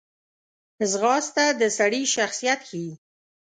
ځغاسته د سړي شخصیت ښیي